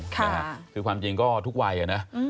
คือความจริงก็ทุกวัยอ่ะนะ